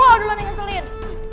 lo dulu yang keselin